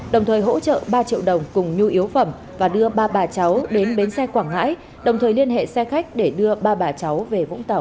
đồng thời hỗ trợ ba triệu đồng cùng nhu yếu phẩm và đưa ba bà cháu đến bến xe quảng ngãi đồng thời liên hệ xe khách để đưa ba bà cháu về vũng tàu